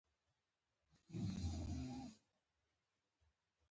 د ولسواکۍ د ټینګښت لپاره ځوانان حیاتي رول لري.